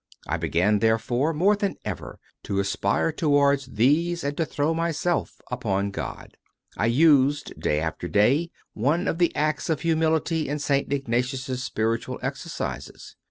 I began, there fore, more than ever to aspire towards these and to throw myself upon God. I used, day after day, one of the acts of humility in St. Ignatius s Spiritual Exercises.